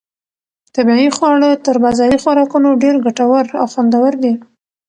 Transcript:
طبیعي خواړه تر بازاري خوراکونو ډېر ګټور او خوندور دي.